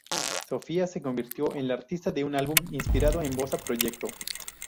Sofía se convirtió en la artista de un álbum inspirado en bossa-proyecto.